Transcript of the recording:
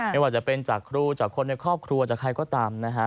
ไม่ว่าจะเป็นจากครูจากคนในครอบครัวจากใครก็ตามนะฮะ